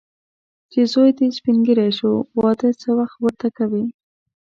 چې زوی دې سپین ږیری شو، واده څه وخت ورته کوې.